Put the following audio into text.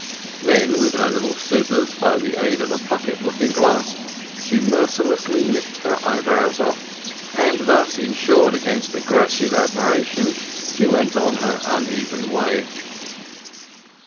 Then with her little scissors, by the aid of a pocket looking glass, she mercilessly nipped her eyebrows off, and thus insured against aggressive admiration, she went on her uneven way.